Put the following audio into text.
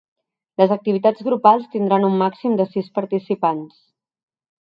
Les activitats grupals tindran un màxim de sis participants.